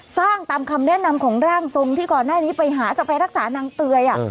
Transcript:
ตามคำแนะนำของร่างทรงที่ก่อนหน้านี้ไปหาจะไปรักษานางเตย